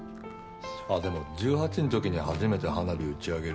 あっでも１８の時に初めて花火打ち上げる